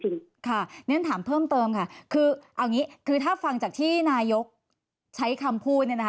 เนื่องจากถามเพิ่มเติมค่ะคือถ้าฟังจากที่นายกใช้คำพูด